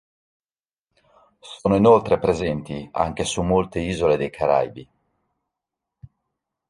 Sono inoltre presenti anche su molte isole dei Caraibi.